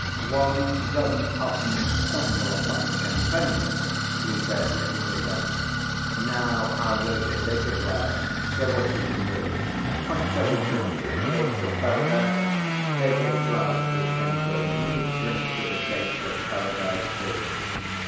"One doesn't often stumble upon champagne," he said, licking his lips. "Now, Alyosha, take a glass, show what you can do! What shall we drink to? The gates of paradise? Take a glass, Grushenka, you drink to the gates of paradise, too."